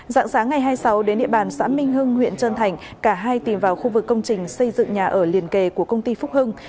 dạng sáng ngày hai mươi sáu đến địa bàn xã minh hưng huyện trân thành cả hai tìm vào khu vực công trình xây dựng nhà ở liền kề của công ty phúc hưng